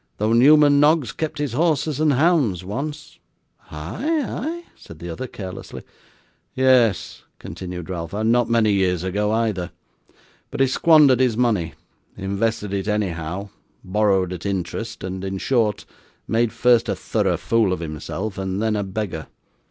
'Though Newman Noggs kept his horses and hounds once.' 'Ay, ay?' said the other carelessly. 'Yes,' continued Ralph, 'and not many years ago either; but he squandered his money, invested it anyhow, borrowed at interest, and in short made first a thorough fool of himself, and then a beggar.